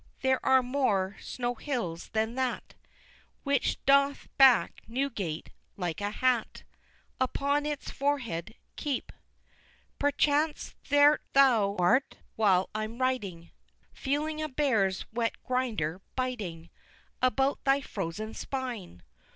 there are more Snow Hills than that Which doth black Newgate, like a hat, Upon its forehead, keep. XI. Perchance thou'rt now while I am writing Feeling a bear's wet grinder biting About thy frozen spine!